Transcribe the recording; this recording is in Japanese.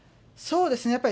そうですね。